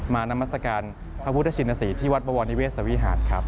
มานามราชกาลพระพุทธชินสีที่วัดปะวรนิเวศสวีหาร